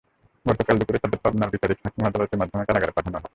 গতকাল দুপুরে তাঁদের পাবনার বিচারিক হাকিম আদালতের মাধ্যমে কারাগারে পাঠানো হয়।